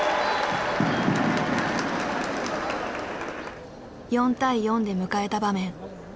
４対４で迎えた場面。